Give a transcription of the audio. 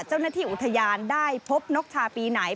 เจ้าหน้าที่อุทยานได้พบนกชาปีไหน